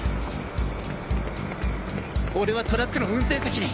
俺はトラックの運転席に！！